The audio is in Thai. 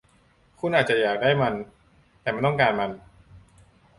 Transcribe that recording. คุณอาจจะอยากได้มัน แต่ไม่ต้องการมัน